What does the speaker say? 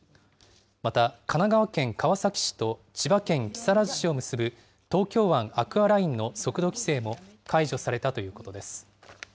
また、神奈川県川崎市と千葉県木更津市を結ぶ東京湾アクアラインの速度規制も解除されたということです。